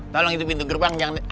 tolong itu pintu gerbang